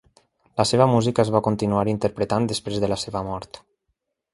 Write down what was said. La seva música es va continuar interpretant després de la seva mort.